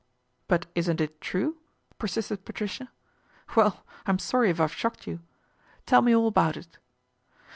" But isn't it true ?" persisted Patricia. " Well, I'm sorry if I've shocked you. Tell me all about it."